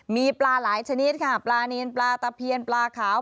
มีปลาหลายชนิดค่ะปลานินปลาตะเพียนปลาขาว